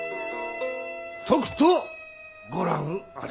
とくとご覧あれ。